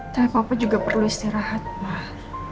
tapi papa juga perlu istirahat mah